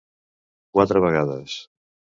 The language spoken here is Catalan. Quatre vegades.